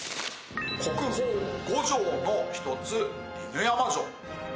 国宝５城の１つ犬山城。